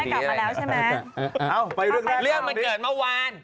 โอ้ตายแล้ว